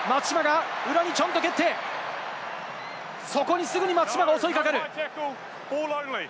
中に蹴って、すぐに松島が襲いかかる。